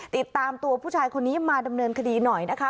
ติดตามตัวผู้ชายคนนี้มาดำเนินคดีหน่อยนะคะ